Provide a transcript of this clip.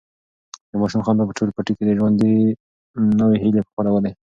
د ماشوم خندا په ټول پټي کې د ژوند نوي هیلې خپرولې.